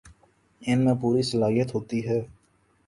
ان میں پوری صلاحیت ہوتی ہے